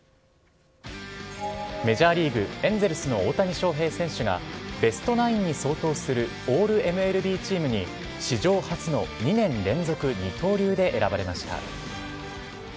メジャーリーグ・エンゼルスの大谷翔平選手が、ベストナインに相当するオールＭＬＢチームに、史上初の２年連続二刀流で選ばれました。